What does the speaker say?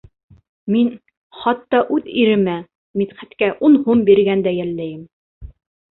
Мин хатта үҙ иремә, Мидхәткә ун һум биргәндә йәлләйем.